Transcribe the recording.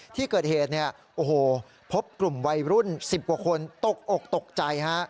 ที่เกิดเหตุพบกลุ่มวัยรุ่น๑๐กว่าคนตกอกตกใจ